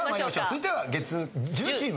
続いては月１０チーム。